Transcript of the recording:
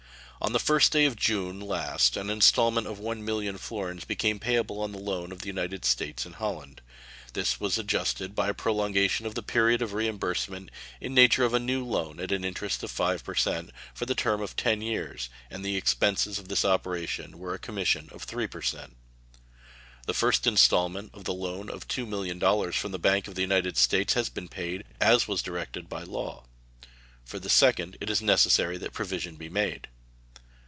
On the first day of June last an installment of 1,000,000 florins became payable on the loans of the United States in Holland. This was adjusted by a prolongation of the period of reimbursement in nature of a new loan at an interest of 5% for the term of ten years, and the expenses of this operation were a commission of 3%. The first installment of the loan of $2,000,000 from the Bank of the United States has been paid, as was directed by law. For the second it is necessary that provision be made.